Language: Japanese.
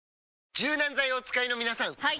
柔軟剤をお使いの皆さんはい！